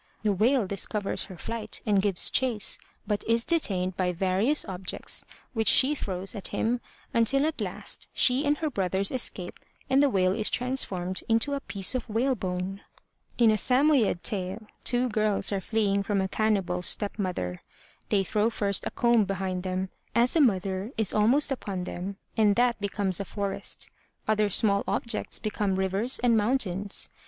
The whale discovers her flight and gives chase but is detained by various objects which she throws at him, until at last she and her brothers escape and the whale is transformed into a piece of whale bone. In a Samoyed tale, two girls are fleeing i8i MY BOOK HOUSE from a cannibal step mother. They throw first a comb behind them, as the mother is almost upon them, and that becomes a forest; other small objects become rivers and mountains.